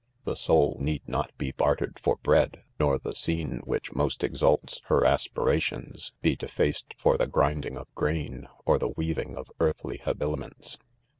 ~ TEe soul need not be bartered for' bread, nor the u'cem which iridst exalts ' her aspirations be defac ed' for thi grinding of grain, or ibk viewing of earthly habiliments.